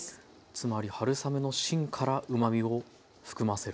つまり春雨の芯からうまみを含ませると。